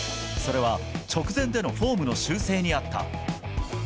それは直前でのフォームの修正にあった。